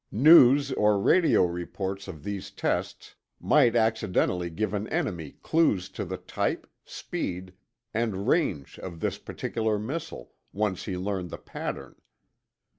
News or radio reports of these tests might accidentally give an enemy clues to the type, speed, and range of this particular missile, once he learned the pattern.